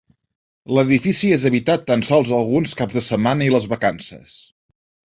L'edifici és habitat tan sols alguns caps de setmana i les vacances.